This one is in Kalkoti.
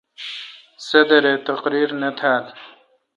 صدر اے° تقریر نہ تھال۔